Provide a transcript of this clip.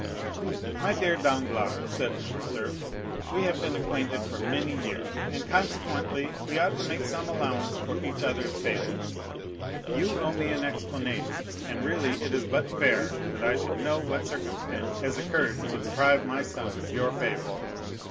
"My dear Danglars," said Morcerf, "we have been acquainted for many years, and consequently we ought to make some allowance for each other's failings. You owe me an explanation, and really it is but fair that I should know what circumstance has occurred to deprive my son of your favor."